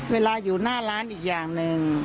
เวลาอยู่หน้าร้านอีกอย่างหนึ่ง